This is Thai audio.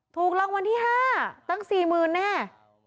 ถูกรางวัลที่๕ตั้ง๔๐๐๐แน่